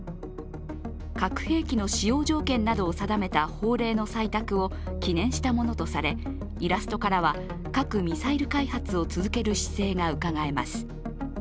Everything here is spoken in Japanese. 核兵器の使用条件などを定めた法令の採択を記念したものとされイラストからは核・ミサイル開発を続ける姿勢がうかがえます。